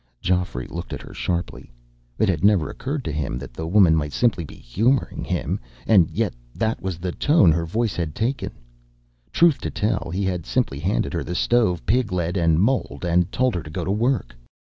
Geoffrey looked at her sharply. It had never occurred to him that the woman might simply be humoring him, and yet that was the tone her voice had taken. Truth to tell, he had simply handed her the stove, pig lead, and mold, and told her to go to work.